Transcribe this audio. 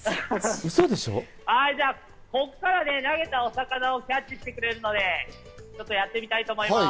ここから投げたお魚をキャッチしてくれるので、ちょっとやってみたいと思います。